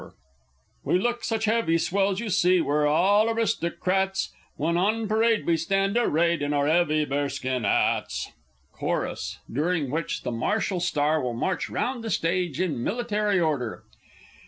"_ We look such heavy swells, you see, we're all aristo cràts, When on parade we stand arrayed in our 'eavy bearskin 'ats. Chorus (_during which the Martial Star will march round the stage in military order.